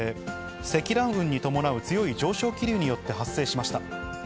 積乱雲に伴う強い上昇気流によって発生しました。